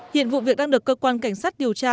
hiện vụ việc đang được cơ quan cảnh sát điều tra